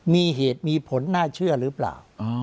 มีเหตุมีผลน่าเชื่อหรือเปล่า